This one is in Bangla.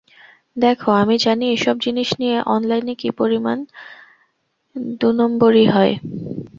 দেখো, আমি জানি এসব জিনিস নিয়ে অনলাইনে কী পরিমাণ দুনম্বরী হয়।